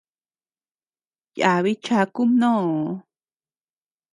Yabi chaku mnoo.